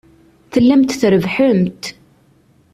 Tellamt trebbḥemt.